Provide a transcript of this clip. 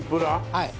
はい。